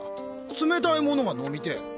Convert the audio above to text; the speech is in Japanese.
冷たいモノが飲みてぇ。